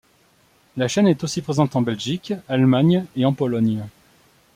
La chaîne est aussi présente en Belgique, Allemagne et en Pologne.